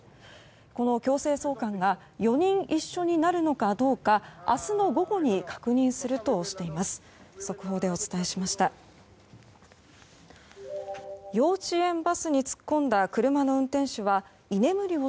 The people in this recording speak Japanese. この強制送還が４人一緒になるのかどうか明日の午後に確認するとしています。